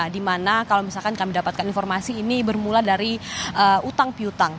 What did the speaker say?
di mana kalau misalkan kami dapatkan informasi ini bermula dari utang piutang